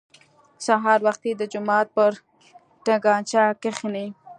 سهار وختي د جومات پر تنګاچه کښېني.